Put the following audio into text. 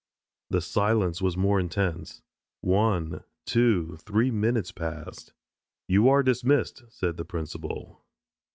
The silence was more intense. One, two, three minutes passed. "You are dismissed," said the principal.